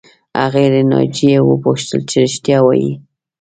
هغې له ناجیې وپوښتل چې رښتیا وایې